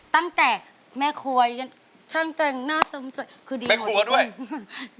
ตั้งแต่แม่ควยช่างจังหน้าสำสวยคือดีหมดอยู่ปุ่น